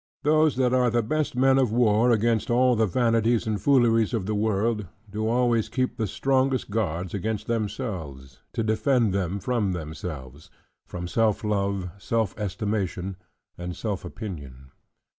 Those that are the best men of war against all the vanities and fooleries of the world, do always keep the strongest guards against themselves, to defend them from themselves; from self love, self estimation, and self opinion.